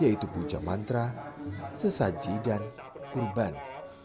yaitu puja mantra sesaji dan kurban